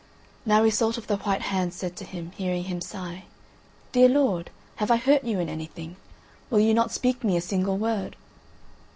Now Iseult of the White Hands said to him, hearing him sigh: "Dear lord, have I hurt you in anything? Will you not speak me a single word?"